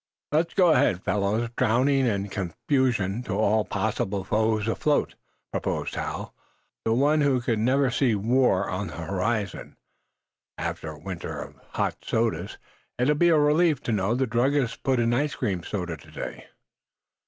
"Let's go along, fellows. Drowning and confusion to all possible foes afloat," proposed Hal, the one who could never see "war" on the horizon. "After a winter on hot sodas, it'll be a relief to know that the druggist put in icecream soda to day."